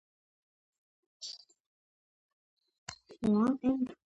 ბიუსტის მარცხნივ დევს შავი მეტალის ჯაჭვიანი ღუზა.